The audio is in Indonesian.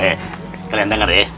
eh kalian denger ya